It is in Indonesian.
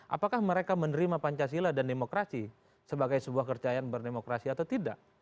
apakah mereka menerima pancasila dan demokrasi sebagai sebuah percayaan berdemokrasi atau tidak